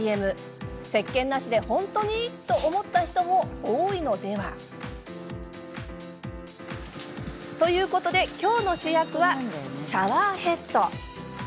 せっけんなしで本当に？と思った人も多いのでは？と、いうことで今日の主役はシャワーヘッド。